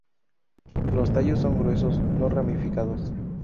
Los tallos son gruesos, no ramificados.